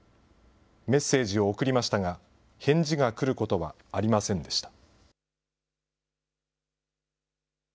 メッセージを送りましたが、返事が来ることはありませんでした。